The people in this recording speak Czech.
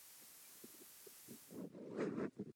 Už jako dítě účinkoval v několika českých filmech.